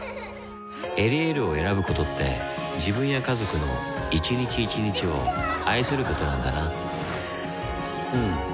「エリエール」を選ぶことって自分や家族の一日一日を愛することなんだなうん。